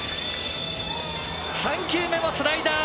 ３球目もスライダー！